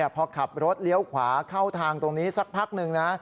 พอขับรถเลี้ยวขวาเข้าทางตรงนี้สักพักหนึ่งนะ